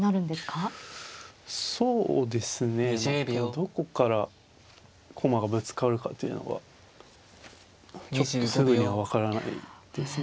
どこから駒がぶつかるかっていうのがちょっとすぐには分からないですね。